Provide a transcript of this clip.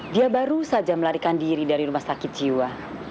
dia baru saja melarikan diri dari rumah sakit jiwa